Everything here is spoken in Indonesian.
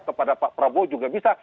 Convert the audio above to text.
kepada pak prabowo juga bisa